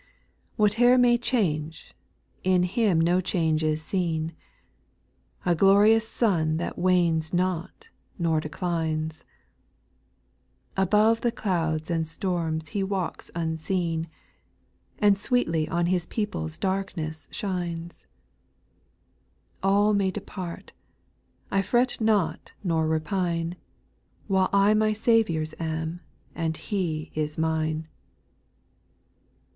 4. Whatever may change, in Him no change is seen, — A glorious sun that wanes not, nor declines ; Above the clouds and storms He walks un seen. And sweetly on His people's darkness shines ; All may depart, — I fret not nor repine, While I my Saviour's am, and He is mine.